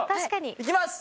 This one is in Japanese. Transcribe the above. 行きます！